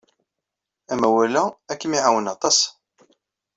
Amawal-a ad kem-iɛawen aṭas.